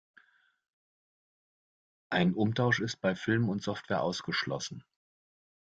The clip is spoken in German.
Ein Umtausch ist bei Filmen und Software ausgeschlossen.